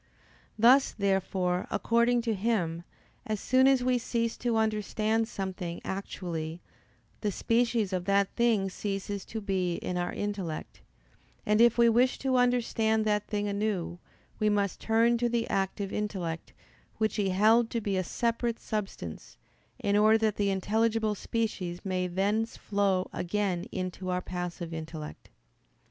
Thus, therefore, according to him, as soon as we cease to understand something actually, the species of that thing ceases to be in our intellect, and if we wish to understand that thing anew, we must turn to the active intellect, which he held to be a separate substance, in order that the intelligible species may thence flow again into our passive intellect.